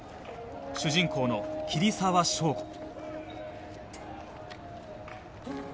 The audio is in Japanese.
主人公の桐沢祥吾